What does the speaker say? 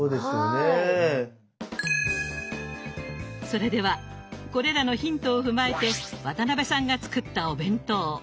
それではこれらのヒントを踏まえて渡辺さんが作ったお弁当。